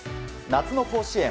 夏の甲子園。